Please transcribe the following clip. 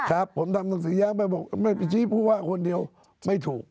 ครับผมทำหนังสือยังไม่บอกไม่ไปชี้ผู้ว่าคนเดียวไม่ถูก